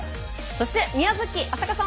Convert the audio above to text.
そして宮崎浅香さん